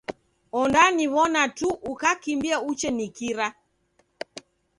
Ondaniw'ona tu ukakimbia uchenikira.